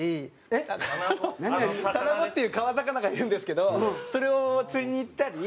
タナゴっていう川魚がいるんですけどそれを釣りに行ったり。